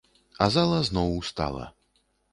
А зала зноў устала.